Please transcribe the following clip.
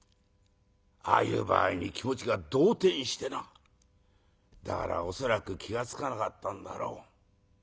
ああいう場合に気持ちが動転してなだから恐らく気が付かなかったんだろう。